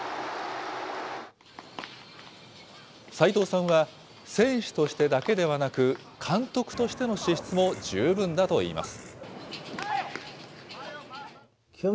齋藤さんは、選手としてだけではなく、監督としての資質も十分だといいます。